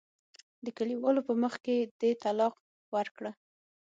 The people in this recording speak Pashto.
د کلیوالو په مخ کې دې طلاق ورکړه.